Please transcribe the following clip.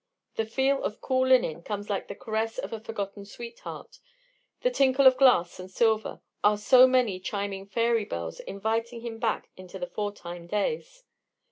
The feel of cool linen comes like the caress of a forgotten sweetheart, the tinkle of glass and silver are so many chiming fairy bells inviting him back into the foretime days.